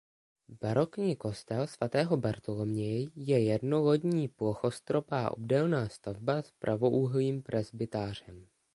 Barokní kostel svatého Bartoloměje je jednolodní plochostropá obdélná stavba s pravoúhlým presbytářem.